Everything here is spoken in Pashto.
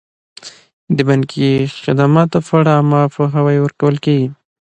د بانکي خدماتو په اړه عامه پوهاوی ورکول کیږي.